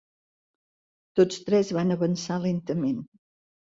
Tots tres van avançar, lentament